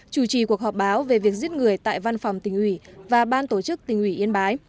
chủ trì cuộc họp báo về việc giết người tại văn phòng tỉnh ủy và ban tổ chức tỉnh ủy yên bái